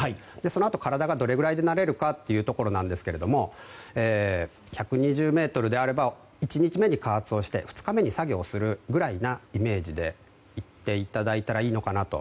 そのあと体がどれぐらいで慣れるかというところですが１２０ｍであれば１日目に加圧をして２日目の作業をするぐらいなイメージでいっていただいたらいいのかなと。